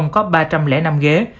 có ba trăm linh năm ghế